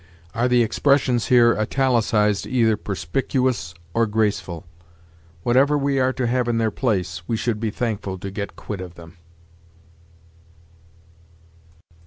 Are the expressions here italicized either perspicuous or graceful? Whatever we are to have in their place, we should be thankful to get quit of them.